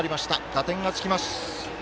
打点がつきます。